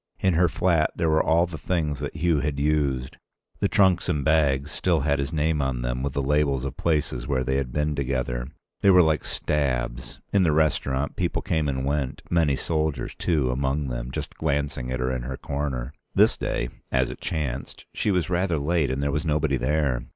In her flat there were all the things that Hugh had used; the trunks and bags still had his name on them with the labels of places where they had been together. They were like stabs. In the restaurant, people came and went, many soldiers too among them, just glancing at her in her corner. This day, as it chanced, she was rather late and there was nobody there.